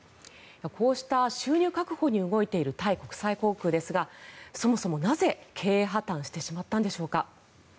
こうした収入確保に動いているタイ国際航空ですがそもそも、なぜ経営破たんしてしまったのでしょうか。